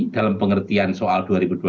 dalam pengertian soal dua ribu dua puluh